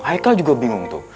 haikal juga bingung tuh